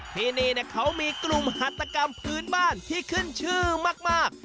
ที่นี่เขามีกลุ่มหัตกรรมพื้นบ้านที่ขึ้นชื่อมาก